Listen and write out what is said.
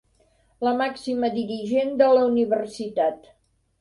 La màxima dirigent de la universitat.